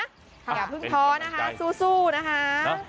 อย่าเพิ่งท้อนะคะสู้นะคะ